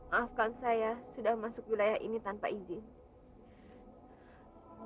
maafkan saya sudah masuk wilayah ini tanpa izin